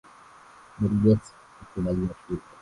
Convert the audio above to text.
Bill Gates hakumaliza shule